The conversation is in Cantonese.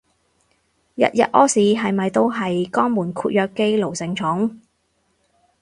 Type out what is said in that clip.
日日屙屎係咪都係肛門括約肌奴性重